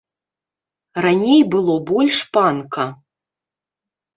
Раней было больш панка.